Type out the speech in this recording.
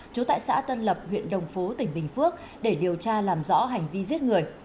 trú tại xã tân lập huyện đồng phú tỉnh bình phước để điều tra làm rõ hành vi giết người